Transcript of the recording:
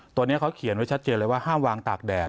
ตัวนี้เขาเขียนไว้ชัดเจนเลยว่าห้ามวางตากแดด